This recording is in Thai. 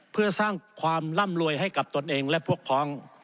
เพื่อสร้างความร่ำรวยให้กับตนเองและพวกพ้อง